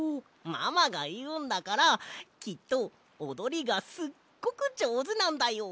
ママがいうんだからきっとおどりがすっごくじょうずなんだよ！